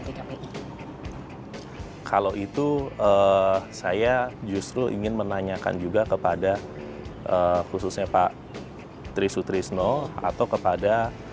bkp kalau itu saya justru ingin menanyakan juga kepada khususnya pak trisutrisno atau kepada